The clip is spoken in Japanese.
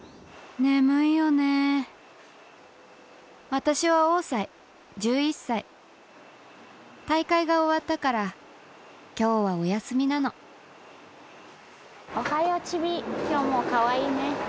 私は大会が終わったから今日はお休みなのおはようちび今日もかわいいね。